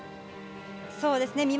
そうですね。